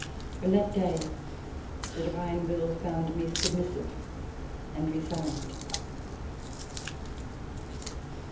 From that day the divine will found me submissive and resigned.